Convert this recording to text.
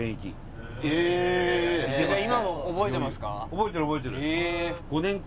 覚えてる覚えてる。